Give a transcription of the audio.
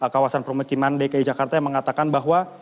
kawasan permukiman dki jakarta yang mengatakan bahwa